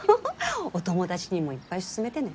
お友達にもいっぱい勧めてね。